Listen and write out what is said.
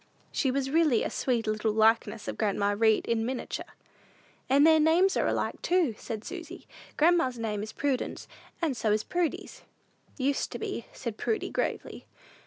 She was really a sweet little likeness of grandma Read in miniature. "And their names are alike, too," said Susy: "grandma's name is Prudence, and so is Prudy's." "Used to be," said Prudy, gravely.